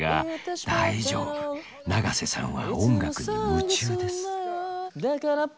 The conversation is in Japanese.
大丈夫永瀬さんは音楽に夢中です。